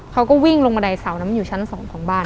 เขาก็วิ่งลงมะไดเสาน้ำมันอยู่ชั้นสองของบ้าน